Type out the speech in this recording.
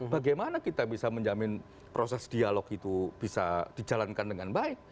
bagaimana kita bisa menjamin proses dialog itu bisa dijalankan dengan baik